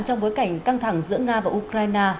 trong bối cảnh căng thẳng giữa nga và ukraine